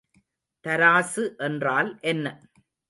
தராசு என்றால் என்ன?